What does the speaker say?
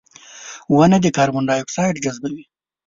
• ونه د کاربن ډای اکساید جذبوي.